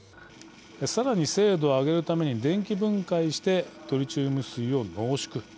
さらに精度を上げるために電気分解してトリチウム水を濃縮。